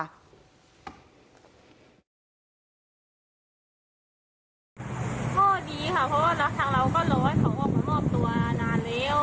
ข้อดีค่ะเพราะว่าทางเราก็รอให้เขาออกมามอบตัวนานแล้ว